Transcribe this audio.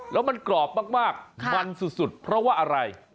แล้วมันกรอบมากมันสุดเพราะว่าอะไร